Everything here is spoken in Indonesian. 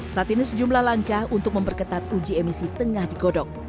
saat ini sejumlah langkah untuk memperketat uji emisi tengah digodok